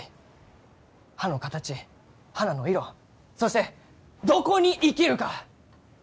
葉の形花の色そしてどこに生きるか！